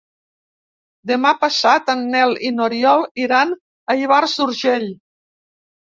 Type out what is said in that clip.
Demà passat en Nel i n'Oriol iran a Ivars d'Urgell.